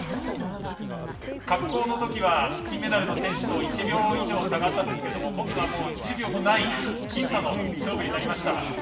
滑降のときは金メダルの選手と１秒以上、差があったんですけど今度は１秒もない僅差の勝負になりました。